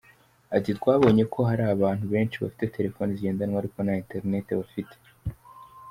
Ati” Twabonye ko hari abantu benshi bafite telefoni zigendanwa ariko nta internet bafite.